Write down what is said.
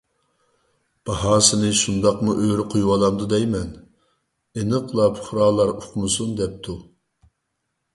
باھاسىنى شۇنداقمۇ ئۆرە قويۇۋالامدۇ دەيمەن؟ ئېنىقلا پۇقرالار ئۇقمىسۇن دەپتۇ.